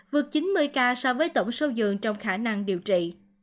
vượt chín mươi ca so với tổng sâu dường trong khả năng điều trị